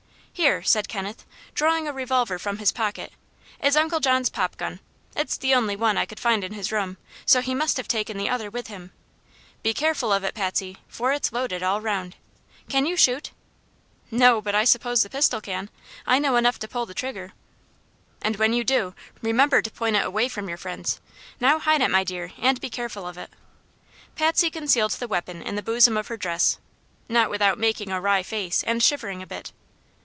"Here," said Kenneth, drawing a revolver from his pocket, "is Uncle John's pop gun. It's the only one I could find in his room, so he must have taken the other with him. Be careful of it, Patsy, for it's loaded all 'round. Can you shoot?" "No; but I suppose the pistol can. I know enough to pull the trigger." "And when you do, remember to point it away from your friends. Now hide it, my dear, and be careful of it." Patsy concealed the weapon in the bosom of her dress, not without making a wry face and shivering a bit.